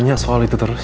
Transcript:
nanya soal itu terus